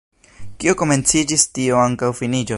Kio komenciĝis, tio ankaŭ finiĝos.